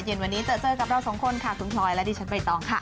เย็นวันนี้เจอเจอกับเราสองคนค่ะคุณพลอยและดิฉันใบตองค่ะ